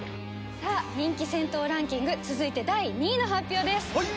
さあ人気銭湯ランキング続いて第２位の発表です。